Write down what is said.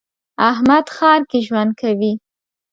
احمد ښار کې ژوند کړی.